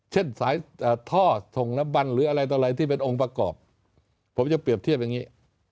เช่นสายท่อส่งน้ำมันหรืออะไรต่ออะไรที่เป็นองค์ประกอบผมจะเปรียบเทียบอย่างนี้